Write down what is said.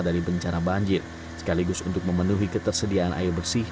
dari bencana banjir sekaligus untuk memenuhi ketersediaan air bersih